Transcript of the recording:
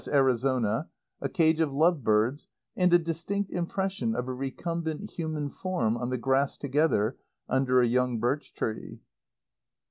Arizona, a cage of love birds, and a distinct impression of a recumbent human form, on the grass together, under a young birch tree.